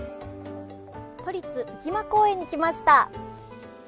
都立浮間公園に来ました。